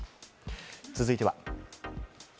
続いては。